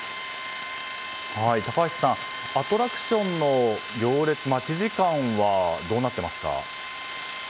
アトラクションの行列待ち時間はどうなっていますか？